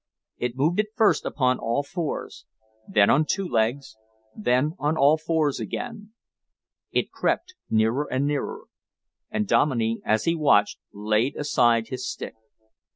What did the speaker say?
It moved at first upon all fours, then on two legs, then on all fours again. It crept nearer and nearer, and Dominey, as he watched, laid aside his stick.